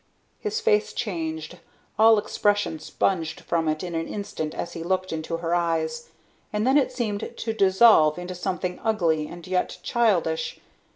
His face changed, all expression sponged from it in an instant as he looked into her eyes, and then it seemed to dissolve into something ugly and yet childish.